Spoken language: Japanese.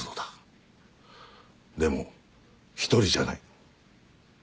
でも一人じゃない。